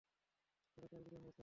সাড়ে চার বিলিয়ন বছর।